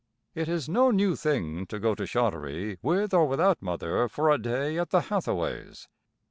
It is no new thing to go to Shottery with or without Mother for a day at the Hathaways'.